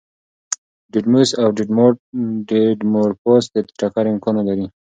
ډیډیموس او ډیمورفوس د ټکر امکان نه لري.